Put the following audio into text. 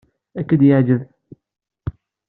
Ad k-yeɛjeb.